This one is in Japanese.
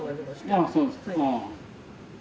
ああそうですか。